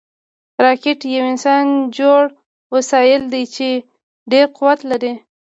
راکټ یو انسانجوړ وسایل دي چې ډېر قوت لري